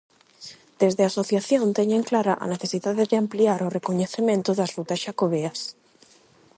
Desde a Asociación teñen clara a necesidade de ampliar o recoñecemento das rutas xacobeas.